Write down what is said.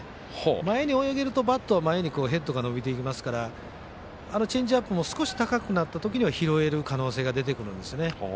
前に泳げると、バットは前にヘッドが伸びていきますからあのチェンジアップも少し高くなったときには拾える可能性が出てくるんですね。